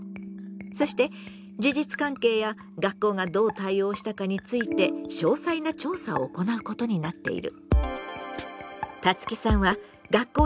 そして事実関係や学校がどう対応したかについて詳細な調査を行うことになっている。